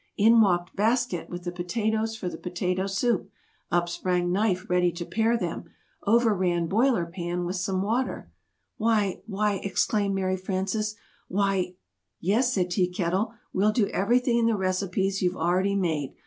In walked Basket with the potatoes for the potato soup; up sprang Knife ready to pare them; over ran Boiler Pan with some water. "Why! Why!" exclaimed Mary Frances. "Why!" [Illustration: "It is not!"] "Yes!" said Tea Kettle, "we'll do everything in the recipes you've already made.